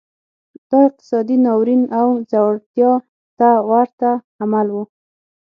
دا اقتصادي ناورین او ځوړتیا ته ورته عمل و.